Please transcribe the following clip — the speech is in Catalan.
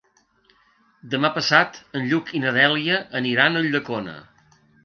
Demà passat en Lluc i na Dèlia aniran a Ulldecona.